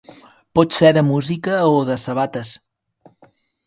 Pot ser de música o de sabates.